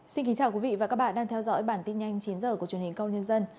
xin kính chào quý vị và các bạn đang theo dõi bản tin nhanh chín h của truyền hình công nhân